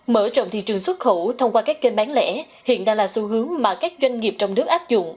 mở rộng thị trường xuất khẩu thông qua các kênh bán lẻ hiện đang là xu hướng mà các doanh nghiệp trong nước áp dụng